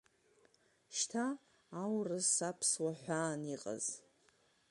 Шьҭа аурыс-аԥсуа ҳәаан иҟаз.